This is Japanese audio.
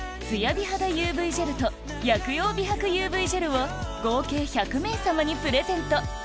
美肌ＵＶジェルと薬用美白ＵＶジェルを合計１００名さまにプレゼント